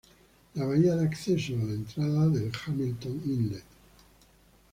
La bahía da acceso a la entrada del Hamilton Inlet.